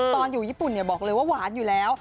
ตอนอยู่ญี่ปุ่นบอกเลยว่าหวานอยู่แล้ว